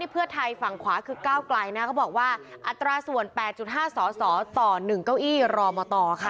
เพื่อไทยฝั่งขวาคือก้าวไกลนะเขาบอกว่าอัตราส่วน๘๕สสต่อ๑เก้าอี้รอมตค่ะ